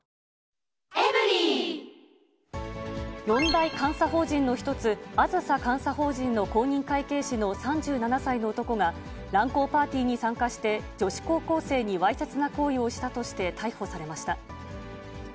４大監査法人の一つ、あずさ監査法人の公認会計士の３７歳の男が、乱交パーティーに参加して、女子高校生にわいせつな行為をしたとして逮捕されました。